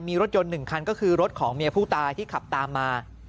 มีรถยนต์๑คันก็คือรถของเมียผู้ตายที่ขับตามมา